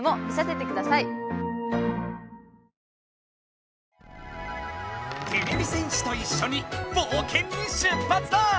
てれび戦士といっしょにぼうけんにしゅっぱつだ！